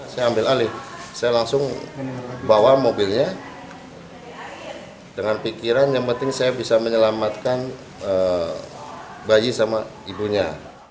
saya ambil alih saya langsung bawa mobilnya dengan pikiran yang penting saya bisa menyelamatkan bayi sama ibunya